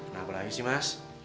nah apa lagi sih mas